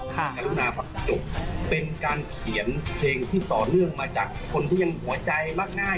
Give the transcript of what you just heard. กรุณาพักจบเป็นการเขียนเพลงที่ต่อเนื่องมาจากคนที่ยังหัวใจมักง่าย